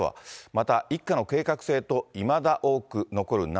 また、一家の計画性といまだ多く残る謎。